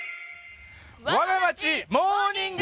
「わが町モーニング